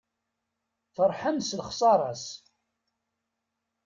Ferḥen s lexsara-s.